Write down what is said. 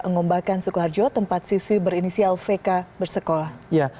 ngombakan sukoharjo tempat siswi berinisial vk bersekolah